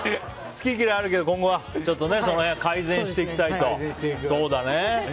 好き嫌いあるけど、今後はその辺りは改善していきたいと。